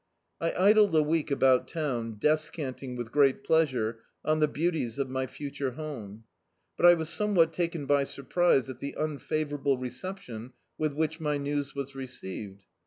I idled a week about town destanting with great pleasure on the beauties of my future home; but I was somewhat taken by surprise at the unfavour able reception with which my news was received.